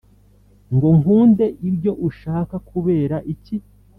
Ngo nkunde ibyo ushaka kubera iki.